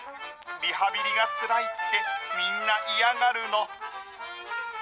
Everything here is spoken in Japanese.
リハビリがつらいって、みんな嫌がるの。